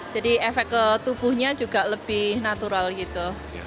jadi efek ke tubuhnya juga lebih natural gitu